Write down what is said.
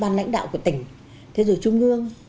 ban lãnh đạo của tỉnh thế rồi trung ương